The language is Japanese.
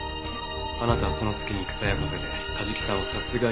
あなたはその隙に草谷カフェで梶木さんを殺害して。